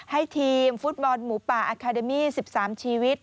ให้ทีมฟุตบอลหมูป่าอาคาเดมี่๑๓ชีวิต